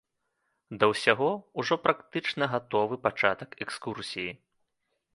Да ўсяго, ужо практычна гатовы пачатак экскурсіі.